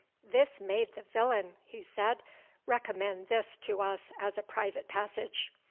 "This made the villain," he said, "recommend this to us as a private passage.